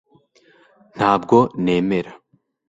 ntabwo nemera